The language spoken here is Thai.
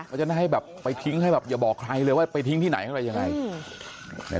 ก็จะได้แบบไปทิ้งให้แบบอย่าบอกใครเลยว่าไปทิ้งที่ไหนก็ได้ยังไง